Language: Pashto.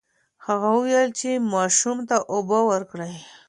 هغه وویل چې ماشوم ته اوبه ورکړه.